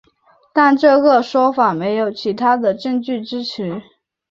但这个说法没有其他的证据支持。